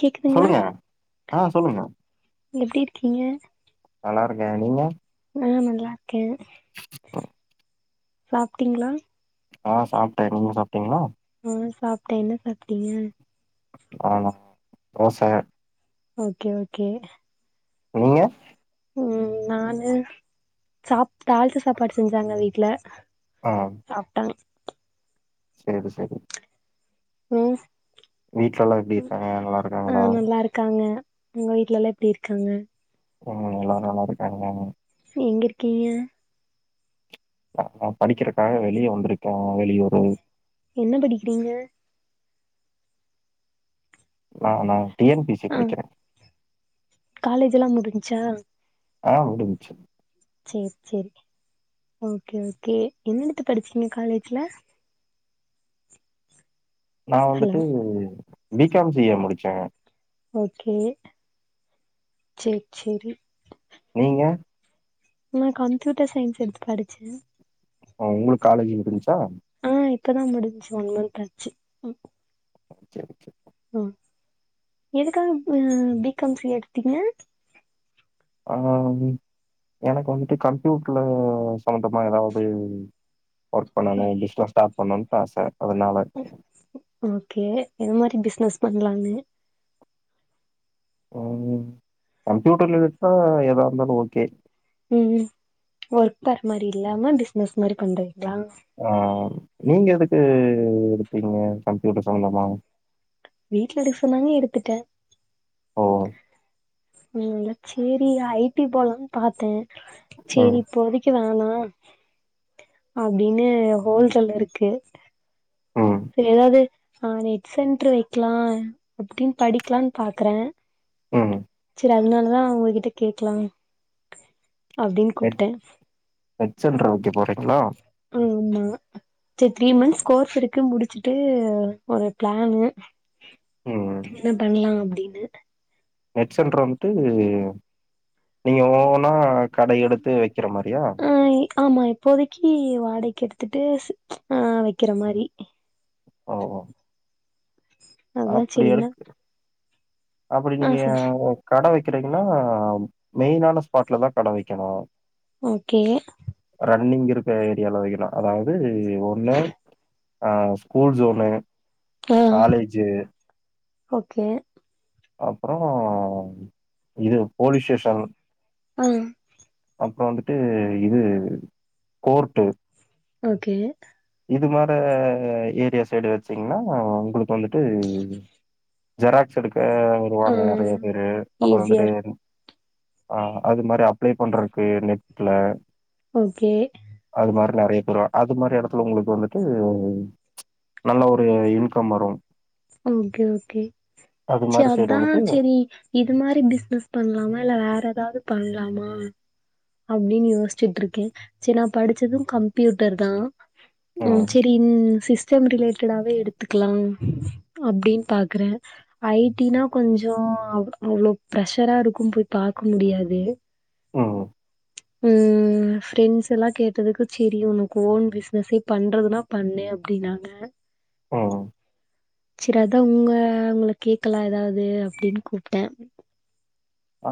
கேக்குதுங்களா சொல்லுங்க ஆ சொல்லுங்க எப்டி இருக்கீங்க நல்லாருக்கே நீங்க ஆ நல்லா இருக்கே சாப்டிங்ளா ஹ சாப்ட்டே நீங்க சாப்ட்டீங்களா ஆ சாப்ட்டே என்ன சாப்ட்டீங்க ஆ ரோச ஓகே ஓகே நீங்க ம் நானு சாப் தாளிச்ச சாப்பாடு செஞ்சாங்க வீட்ல சாப்ட செரி செரி ம் வீட்ல எல்லா எப்டி ம். இருக்காங்க நல்லா ஆ இருக்காங்ளா நல்லா இருக்காங்க உங்க வீட்லல்லா எப்டி இருக்காங்க ம் எல்லாரு நல்லா இருக்காங்க எங்க இருக்கீங்க நா படிக்றக்காக வெளியே வந்த்ருக்கே வெளியூரு என்ன படிக்றீங்க நானா டி என் பி சி ஆ படிக்றே காலேஜ் எல்லா முடிஞ்ச்சா ஆ முடுஞ்ச்சு சேரி சேரி ஓகே ஓகே என்னடுத்து படிச்சீங்க காலேஜ்ல நா ஹலோ வந்துட்டு பி காம் சி ஏ முடிச்சங்க ஓகே சேர் சேரி நீங்க நா கம்ப்யூட்ட சயின்ஸ் எடுத்து படிச்சே ஒ உங்ளுக் காலேஜ் முடுஞ்சா ஆஹ் இப்பதா முடிஞ்ச்சு ஒன் மந்த் ஆச்சு கே ஓகே ம் எதுக்காகப் அ பி காம் சி ஏ எடுத்தீங்க அ ம் எனக்கு வந்ட்டு கம்ப்யூட்ல சம்பந்தமா எதாவது ஒர்க் பண்ணணு பிஸ்னஸ் ஸ்டாட் பண்ணண்ட்டு ஆச அதனால கே எந் மாரி பிஸ்னஸ் பண்லானு ம் கம்ப்யூட்டர் லிலேட்டா எதாருந்தாலு ஓகே ம் ம் ஒர்க் பேற மாரி இல்லாம பிஸ்னஸ் மாரி பண்றி ஆ நீங்க எதுக்கு எடுத்தீங்க கம்ப்யூட்டர் சம்பந்தமா வீட்ல எடுக் சொன்னாங்க எடுத்துட்டே ஓ! ம் ல்ல சேரி ஐ டி போலான் பாத்தே ம், சேரி இப்போதைக்கி வேணா அ அப்டினு ஹோல்டர்லருக்கு ம், எதாவ்து ஆ நெட் சென்ட்ரு வெக்லா அப்டின் படிக்லான் பாக்றே ம் ல அதுனாலதா உங்ககிட்ட கேக்லா நெட் நெட் சென்ட்ரு வெக்க போறே ஹலோ ஆம்மா செர் த்ரீ மன்ஸ் கோர்ஸ் இருக்கு முடிச் ச்சுட்டு ஒரு பிளானு ம். என்ன பண்லா அப் ப்டினு நெட் சென்ட்ரு வந்ட்டு நீங்க ஒ ஒவ்வொன்னா கடை எடுத்து வெக்கிற மாரியா ஆ ஆமா இப்போதைக்கி வாடைக்கு எடுத்துட்டு ஸ் ஆ வெக்கிற மாரி ஓ ஓ அதா அப்டி சரி என்ன எடுக் அப்பிடி ஆ நீங்க சொல் ஒ கட வெ க்கிறீங்ன்னா மெயினான ஸ்பாட்ல தா கட வெய்க்கணு ஓகே இருக்குற ஏரியால வைக்கலாம் அதாவது ஒன்லா அ ஸ்கூல் சோனு ஆ [unintelligible] ஓகே அப்பறோ இது போலீஸ் ஸ்டேஷன் ம் அப்பறோ வந்து இது கோர்ட்டு ஓகே இது மாரே ஏரியா சைடு வச்சிங்கன்னா உங்களுக்கு வந்துட்டு ஜெராக்ஸ் எடுக்க ஆ வருவாங்க நெறைய பேரு அப்பறோ ஈஸியா வந்துட்டு இருக்கு ஆ அது மாரி அப்ளை பண்றக்கு நெட்ல ஓகே அது மாரி நெறைய பேரு அது மாரி இடத் உங்களுக்கு வந்துட்டு நல்ல ஒரு இன்கம் வரும் ஓகே ஓகே அது செ மாரி சைடு அதான் வந்துட்டு செரி இது மாதிரி பிசினஸ் பண்ணலாமா இல்ல வேற ஏதாவது பண்ணல லமா அப்டின்னு யோசிச்சுட்டு இருக்கே செரி நான் படிச்சதும் கம்ப்யூட்டர் தா உம் ம் செரி சிச் சிஸ்டம் ரிலேட்டாவே எடுத்துக்கலாம் அப்டின்னு பாக்குறே ஐடினா கொஞ்சோ அவ்ளோ பிர்ஷரா இருக்கும் போய் பாக்க முடியாது ம் ம் ஃபிரெண்ட்ஸ் எல்லா கேட்டதுக்கு செரி உனக்கு ஓன் பிஸ்னசே பண்றதுனா பண்ணு அப்டினாங்க ஆ செரி அதா உங்க உங்கள கேக்லா ஏதாவது அப்டின்னு கூப்டே ஆ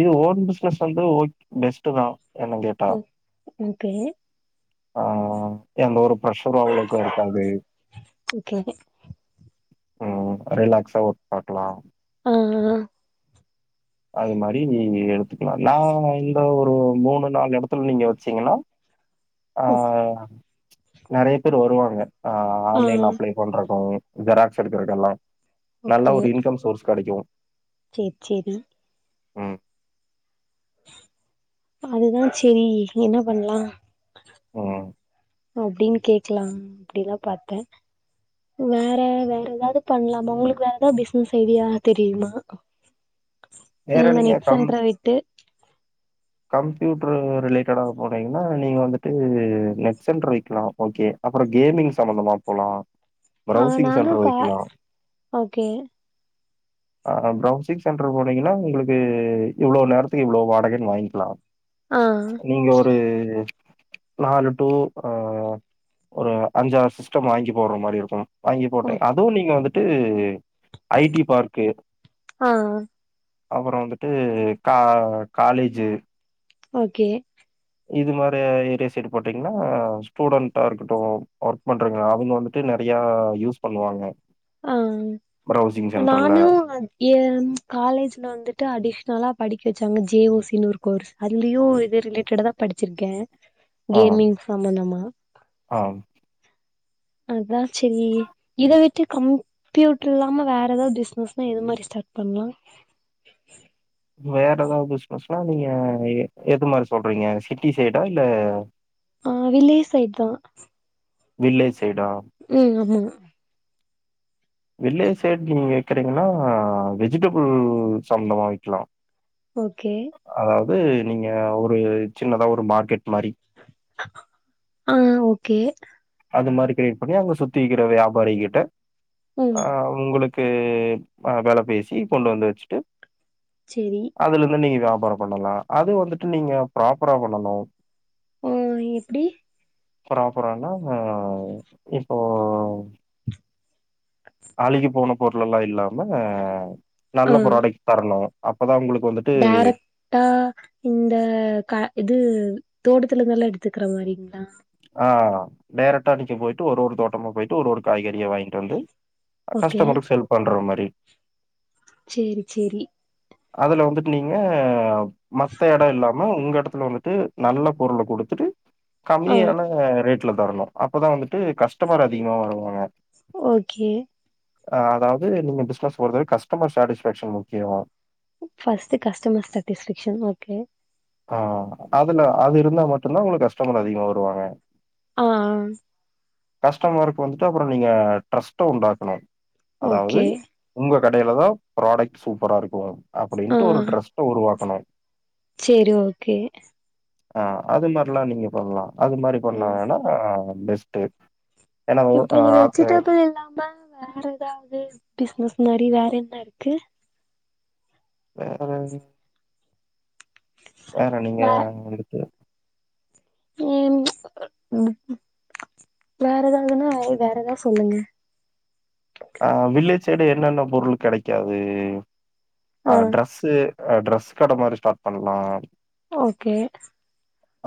இது ஓன் பிஸ்னஸ் வந்து ஓக் பெஸ்ட் தா என்ன கேட்டா ஓகே ஆ எந்த ஒரு ப்ரஷரு அவ்வளவுகா இருக்காது ஓகே உம் ரிலாக்ஸா ஒர்க் பாக்கலா ஆ லாம் நான் இந்த ஒரு மூணு நாலு இடத்துல நீங்க வச்சீங்கனா ஆ ஓ- நெறய பேர் வருவாங்க ஆ ஆ ஆன்லைன்ல அப்லே பண்றது ஜெராக்ஸ் எடுக்குறதுகேள்ள நல்லா ஒரு இன்கம் சோர்ஸ் கெடைக்கு சேர் சேரி ம் அதுதா செரி என்ன பண்லா ம் அப்டின் கேக்லா அப்டிதா பாத்த வேற வேற ஏதாவ்து பண்லாமா உங்ளுக்கு வேற ஏதாவ்து பிசினஸ் ஐடியா தெரியுமா வேற இந்த நெட் சென்ட்ற விட்டு கம்ப்யூட்ரு ரிலேட்டடா போனீங்னா நீங்க வந்துட்டு நெட் சென்ட்ரு வக்கிலா ஓகே அப்றோ கேமிங் சம்பந்தமா போலா அ நானும் கா ஓகே அ ப்ரௌசிங் சென்ட்ரு போனீங்கினா உங்களுக்கு இவ்ளோ நேரத்துகு இவ்ளோ வாடகைனு வாங்கி ஆ நீங்க ஒரு நாலு டு அ ஒரு அஞ்சாறு சிஸ்டம் வாங்கி போட்ற மாரி இருக்கு வாங்கி ஓ போட்டே அதுவு நீங்க வந்து டு ஐ டி பார்க்கு ஆ அப்பற வந்துட்டு கா காலேஜு ஓகே இது மாரி ஏரியா சைடு போட்டீங்கனா ஸ்டூடெண்ட்டாருகட்டு ஒர்க் பண்ணுறவ்க அவங்க வந்துட்டு நெறயா யூஸ் பண்ணுவாங்க அ ப்ரௌசிங் சென்டர்ல. நானு ஏ காலேஜ்ல வந்துட்டு அடிஷ்னலா படிக் வச்சாங்க ஜேஓசின்னு ஒரு கோர்ஸ் அதுலயு இது ரிலேட்டடா தா படிச்சிருக்கே ஆ, கேமிங் சம்மந்தமா ஆ. அதா செரி இத விட்டு தி கமு கம்ப்யூட்டர் இல்லாம வேற எதாவ்து பிஸ்னஸ்னா எது மாரி ஸ்டாட் பண்லா வேற எதாவ்து பிஸ்னஸ்னா நீங்க எது மாதுரி சொல்றீங்க சிட்டி சைடா இல்ல அ வில்லேஜ் சைட் தா வில்லேஜ் சைடா? ம் ஆமா வில்லேஜ் சைடு நீங்க வக்கறீங்கனா வெஜிடபுள் சம்மந்தமா வக்லா ஓகே து நீங்க ஒரு சின்னதா ஒரு மார்க்கெட் மாரி அ ஓகே அது மாரி கிரியேட் பண்ணி அங்க சுத்தி விக்கிற வியாபாரிங் கிட்ட ம் அ உங்குளுக் கு அ வெல பேசி கொண்டு வந்து வச்சுட்டு சேரி அதுலந்து நீங்க வியாப் வார பண்ணலா அது வந்துட்டு நீங்க ப்ராப்பரா பண்ணனு ஓ எப்டி ப்ராப்பரான்னா ஆஹ் இப்போ அழுகி போனப் பொருள் எல்லா இல்லாம நல்ல ப்ராடக்ட் தர்ணு டேரக்டா இந்த க இது தோட்டத்துலருந்து எல்லா எடுத்துக்ற மாரிங்களா ஆஹ் டேரக்டா நீங்க போயிட்டு ஒரு ஒரு தோட்டமா போயிட்டு ஒரு ஒரு காய்கறிய வாங்கிட்டு வந்து ஓகே கஸ்டமருக்கு சேல் பண்ற மாரி சேரி சேரி அதுல வந்துட்டு நீங்க மத்த எடொ இல்லாம உங்க எடத்துல வந்துட்டு நல்ல பொருள குடுத்துட்டு ஆ கம்மியான ரேட் ல தர்ணு அப்பதா வந்துட்டு கஸ்டமர் அதிகமா வருவாங்க ஓகே அஹ் அதாது நீங்க பிசினஸ் போறது வரை கஸ்டமர் சாட்டிஸ்ஃபேக்க்ஷன் முக்கியம் ஃபர்ஸ்ட் கஸ்டமர் சேட்டிஸ்ஃபேக்ஷன் ஓகே ஆஹ் அதுல அது இருந்தா மட்டுந்தா உங்களுக்கு கஸ்டமர் அதிகமா வருவாங்க ஆஹ் கஷ்டமர்க்கு வந்துட்டு அப்றோ நீங்க ட்ரஸ்ட்ட உண்டாக்கணு அதாவ்து ஓகே உங்க கடையில தா ப்ராடக்ட் சூப்பரா இருக்கு ஆ அப்டின்ட்டு ஒரு ட்ரஸ்ட்ட உருவாக் கணு சேரி ஓகே ஆஹ் அது மாரிலா நீங்க பண்ணலா அது மாரி பண்ணா வேன்னா பெஸ்டு இப்டி நீ வெஜிடபிள் இல்லாம வேற ஏதாவ்து பிசினஸ் இந்த மாரி வேற என்ன இருக்கு வேற என்ன வேற நீங்க வே வந்துட்டு [unintelligible] வேற எதாவ்துன்னா வேற எதாவ் சொல்லுங்க ஆஹ் வில்லேஜ் சைடு என்னென்ன பொருளு கெடைக்காது ஆ ஆஹ் டிரெஸ்ஸு ஆஹ் ட்ரெஸ் கட மாரி ஸ்டார்ட் பண்லா ஓகே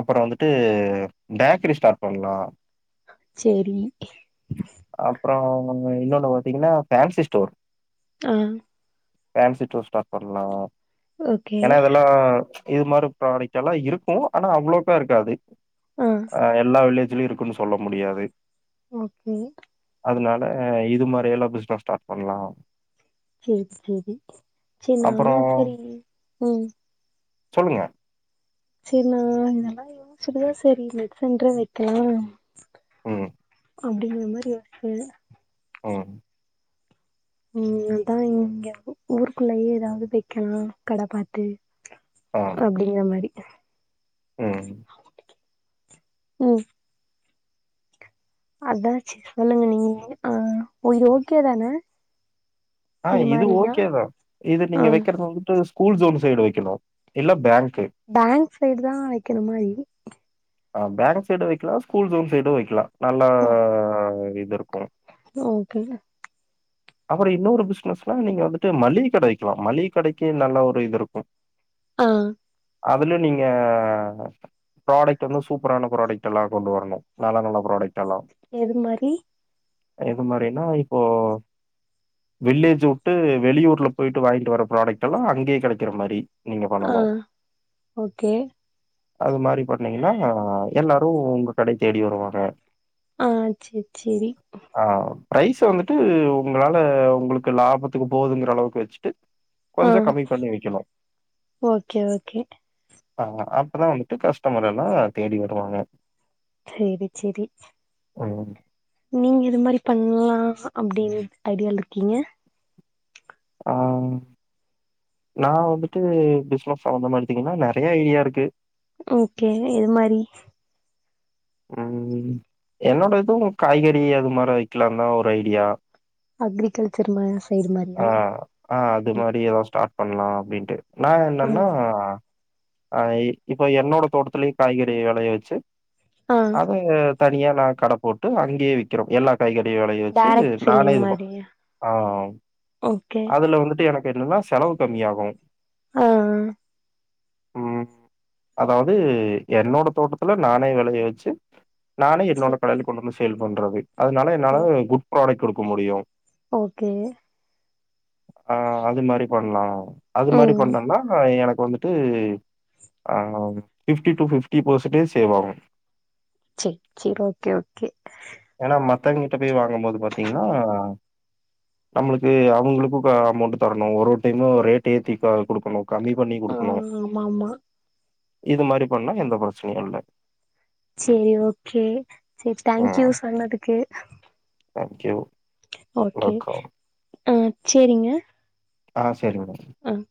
அப்றோ வந்துட்டு பேக்கரி ஸ்டார்ட் பண்லா சேரி ச்சு அப்ப அப்புறோ இன்னொன்னு பார்த்தீங்கன்னா போன்சி ஸ்டோர் ஆஹ் பேன்சி ஸ்டோர் ஸ்டார்ட் பண்ணலா ஓகே ஏன்னா இதெல்லா ச்சு இது மாதிரி ப்ராடக்ட் எல்லா இருக்கும் ஆனா அவ்ளோக்கா இருக்காது ஆ ஆஹ் எல்லா வில்லேஜ் இதுலையு இருக்குன்னு சொல்ல முடியாது ஓகே அதனால இது மாதிரி எல்லா பிசினஸ் ஸ்டார்ட் பண்ணலா செரி செரி செரி நானா அப்புறம் செரி உம் சொல்லுங்க செரினா இதெல்லா யோசிச்சுட்டுதான் செரி நெட் சென்டரே வைக்கலா உஹம் அப்படிங்கற மாதிரி யோச்ச உம் உஹம் அதான் இங்க ஊருக்குள்ளயே ஏதாவது வைக்கலா கட பாத்து அப்படிங்கற மாரி உஹம் ம் அதான் செரி சொல்லுங்க நீங்க ஆஹ் உங்களுக்கு ஓகே தான ஆஹ் இது ஓகேதான் இது நீங்க ஆ வைக்கறது வந்துட்டு ஸ்கூல் சோன் சைடு வைக்கணும் இல்ல பேங்க் பேங்க் சைடு் தான் வைக்கிற மாரி ஆ பேங்க் சைடு வைக்கலா ஸ்கூல் ஜோன் சைடு வைக்கலா நல்லா இது இருக்கும் ஓகேங்க அப்றோ இன்னொரு பிஸ்னஸ்னா நீங்க வந்துட்டு மள்ளிக கட வெக்லா மள்ளிக கடைக்கு நல்லா ஒரு இது இருக்கு ஆஹ் அதுல நீங்க ப்ராடக்ட் டன்னா சூப்பரான புராடக்ட்டல்லா கொண்டு வரனு நல்ல நல்ல புரோடக்ட அல்லா எது மாரி எது மாரினா இப்போ வில்லேஜ் வுட்டு வெளியூர்ல போயிட்டு வாங்கிட்டு வர ப்ராடக்ட் எல்லா அங்கே கெடைகற மாரி நீங்க பண்ணணும். ஆஹ் ஓகே அது மாரி பண் பண்ணீங்கன்னா எல்லாரு உங்க கடய தேடி வருவாங்க ஆஹ் செர் சேரி ப்ரைஸ வந்துட்டு உங்களால உங்களுக்கு லாபத்துக்கு போதுங்கற அளவுக்கு வச்சுட்டு கொஞ்சம் ஆஹ் கம்மி பண்ணி விக்கணும். ஓகே ஓகே ஆஹ் அப்பதா வந்துட்டு கஷ் டமரெல்லா தேடி வருவாங்க சேரி செரி உம் நீங்க எது மாரி பண்லா அப்டின் ஐடியால்ருக்கிங்க ஆஹ் நா வந்துட்டு பிஸ்னஸ் அந்த மாரிதிங்னா நெறயா ஐடியா இருக்கு ஓகே எது மாரி உம் என்னோட இதுவு காய்கறி அது மார வெக்கலான்தா ஒரு ஐடியா அக்ரிகல்ச்சர் மா சைடு மாரியா பண்லா அப்டின்ட்டு நா ஆ என்னன்னா அஹ் இ இப்ப என்னோட தோட்டத்லயு காய்கறி வெளய வெச்சு ஆ அத தனியா நா கட போட்டு அங்யே விக்றோ எல்லா காய்கறி வெளய வெச்சு டேரக்ட் நானே செல்லிங் இதுப்பன் மாரியா ஆஹ் ஓகே அதுல வந்துட்டு எனக் என்னன்னா செலவு கம்மியாகு ஆஹ் உம் அதாவது என்னோட தோட்டத்துல நானே வெளய வச்சு நானே என்னோட கடைல சரி கொண்டுந்து சேல் போன்றது அதனால என்னால குட் ப்ராடக்ட் குடுக் க்கு முடியு ஓகே ஆஹ் அது மாரி பண்லா அது மாரி ம் பண்ணொம்னா எனக் வந்துட்டு அஹ் fifty to fifty percentage save ஆகு செர் செர் ஓகே ஓகே த்தங்கிட்ட போய் வாங்கும் போது பாத்திங்கனா நம்ளுக்கு அவங்களுக்கு க அமௌண்ட் தரணு ஒரு ஒரு டைமு ரேட் ஏத்தி க குடுக்கணு கம்மி பண்ணி ஆ குடுக்ணு ஆமா ஆமா இது மாரி பண்ணா எந்த ப்ரச்சனையு இல்ல செரி ஓகே செர் தேங்க்யூ சொன்னதுக்கு தேங்க்யூ ஓகே ஆஹ் சேரிங்க ஆஹ் செரி மேடம் அஹ்